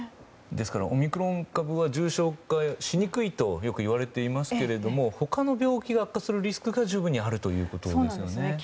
ですからオミクロン株は重症化しにくいとよく言われていますけど他の病気が悪化するリスクが十分にあるということですね。